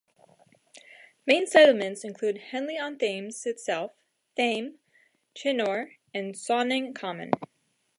Main settlements include Henley-on-Thames itself, Thame, Chinnor and Sonning Common.